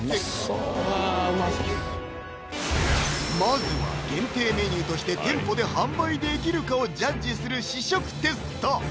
まずは限定メニューとして店舗で販売できるかをジャッジする試食テスト